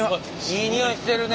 いい匂いしてるね。